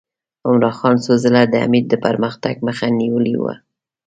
عمرا خان څو ځله د امیر د پرمختګ مخه نیولې وه.